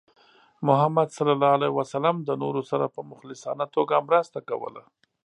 محمد صلى الله عليه وسلم د نورو سره په مخلصانه توګه مرسته کوله.